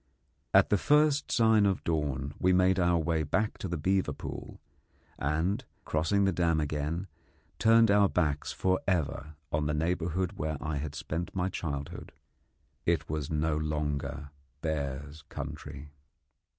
At the first sign of dawn we made our way back to the beaver pool, and, crossing the dam again, turned our backs for ever on the neighbourhood where I had spent my childhood. It was no longer bears' country.